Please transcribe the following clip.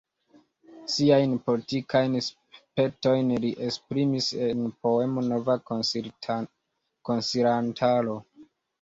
Siajn politikajn spertojn li esprimis en poemo Nova konsilantaro.